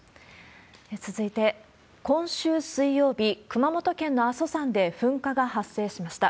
続いて、今週水曜日、熊本県の阿蘇山で噴火が発生しました。